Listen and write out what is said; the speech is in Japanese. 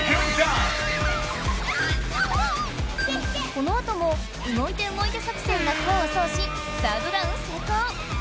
このあとも動いて動いて作戦がこうをそうしサードダウンせいこう！